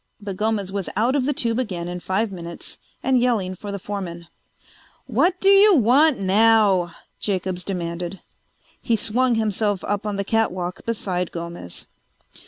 But Gomez was out of the tube again in five minutes and yelling for the foreman. "What do you want now?" Jacobs demanded. He swung himself up on the catwalk beside Gomez.